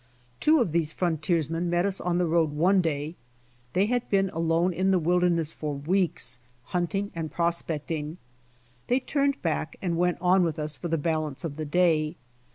Two of these frontiersmen met us on the road one day. They had been alone in the wilderness for weeks, hunting and prospecting. They turned back and went on with us for the balance of the day.